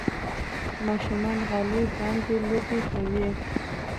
ماشومان غالۍ باندې لوبې کوي.